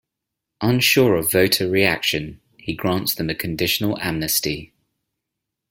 Unsure of voter reaction, he grants them a conditional amnesty.